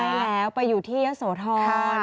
ใช่แล้วไปอยู่ที่ยะโสธร